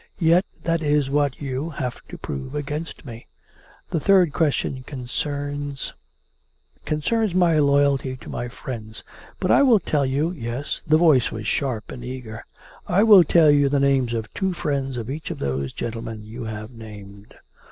Yet that is what you have to prove against me. The third question concerns ... concerns my loyalty to my friends. But I will tell you "" Yes? " (The voice was sharp and eager.) " I wiU tell you the names of two friends of each of those gentlemen you have named."